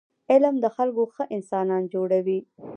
علم له خلکو ښه انسانان جوړوي.